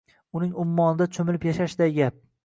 Uning ummonida cho’milib yashashday gap.